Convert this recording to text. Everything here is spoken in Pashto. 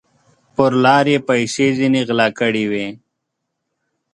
پر لار یې پیسې ځیني غلا کړي وې